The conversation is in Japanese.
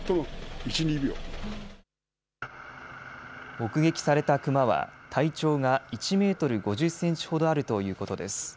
目撃されたクマは体長が１メートル５０センチほどあるということです。